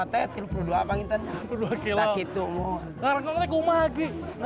kemarin ini reducing bagai delapan orang